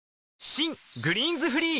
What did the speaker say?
新「グリーンズフリー」